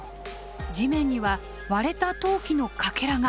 地面には割れた陶器のかけらが。